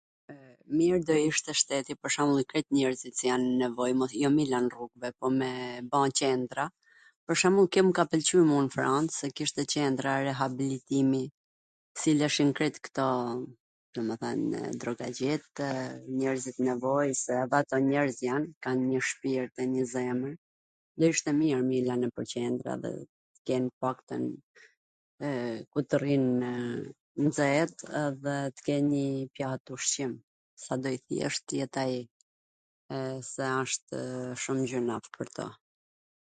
Mir do ishte shteti pwr shwmbull krejt njerzit qw jan nw ... jo me i lan rrugve por me ba qendra, pwr shwmbull kjo m ka pwlqy mu n Franc, kishte qendra rehabilitimi, silleshin krejt kto domethanw drogaxhitw, njerzit t nevojs se edhe ato njerz jan, njw shpirt dhe njw zemwr, do ishte mir me i lan nwpwr qendra dhe tw ken t paktwn ku t rrinw nxet dhe t ken njw pjat ushqim.